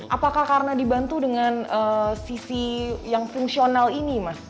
apakah karena dibantu dengan sisi yang fungsional ini mas